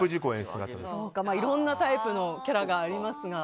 いろんなタイプのキャラがありますが。